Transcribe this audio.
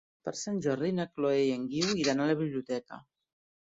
Per Sant Jordi na Chloé i en Guiu iran a la biblioteca.